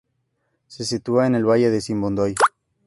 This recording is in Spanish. Se sitúa en el valle de Sibundoy.